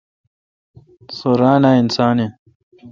سو ران اؘ اسان این۔